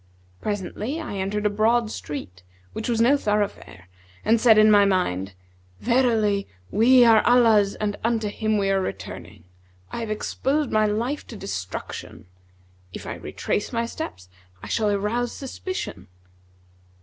Presently I entered a broad street which was no thoroughfare and said in my mind, 'Verily, we are Allah's and unto Him we are returning! I have exposed my life to destruction. If I retrace my steps, I shall arouse suspicion.'